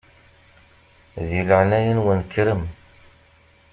Di leɛnaya-nwen kkrem.